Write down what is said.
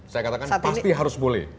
saya katakan pasti harus boleh